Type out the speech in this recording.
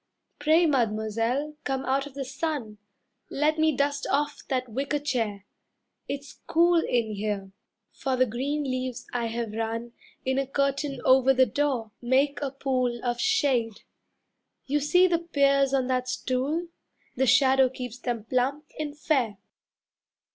Pray, Mademoiselle, come out of the sun. Let me dust off that wicker chair. It's cool In here, for the green leaves I have run In a curtain over the door, make a pool Of shade. You see the pears on that stool The shadow keeps them plump and fair."